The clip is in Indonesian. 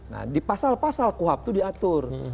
nah di pasal pasal kuhap itu diatur